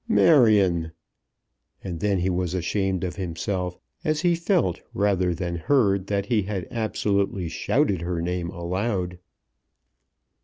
"Marion!" And then he was ashamed of himself, as he felt rather than heard that he had absolutely shouted her name aloud.